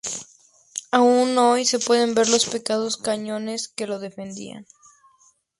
Aún hoy se pueden ver los pesados cañones que lo defendían.